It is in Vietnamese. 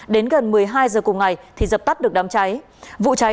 đến gần một mươi hai giờ cùng ngày thì dập tắt được đám cháy